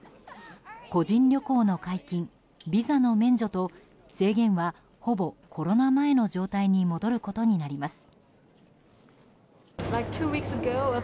個人旅行の解禁、ビザの免除と制限は、ほぼコロナ前の状態に戻ることになります。